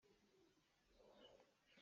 Uico cu rawl a ei hmasa lai.